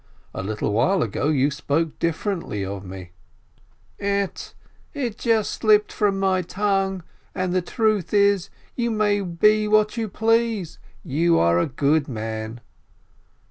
A little while ago you spoke differently of me." "Ett! It just slipped from my tongue, and the truth is you may be what you please, you are a good man."